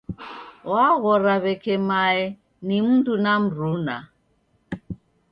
Waghora w'eke mae ni mndu na mruna.